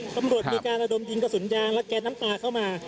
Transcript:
ตำรวจมีการระดมยิงกระสุนยางและแก๊สน้ำตาเข้ามา